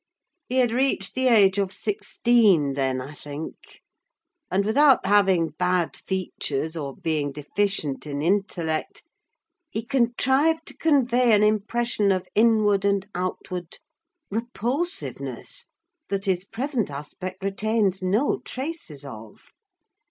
He had reached the age of sixteen then, I think, and without having bad features, or being deficient in intellect, he contrived to convey an impression of inward and outward repulsiveness that his present aspect retains no traces of.